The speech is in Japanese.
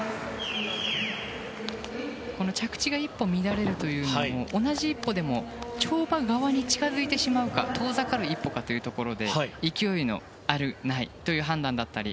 この着地が１歩乱れるというのも同じ１歩でも跳馬側に近づいてしまうか遠ざかる１歩かというところで勢いのある、ないという判断だったり